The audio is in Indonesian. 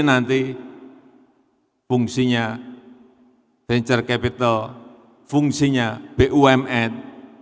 nanti fungsinya venture capital fungsinya bumn